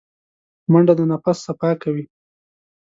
منډه د نفس صفا کوي